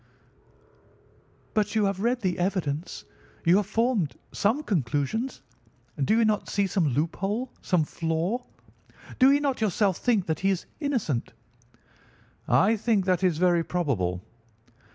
"But you have read the evidence. You have formed some conclusion? Do you not see some loophole, some flaw? Do you not yourself think that he is innocent?" "I think that it is very probable."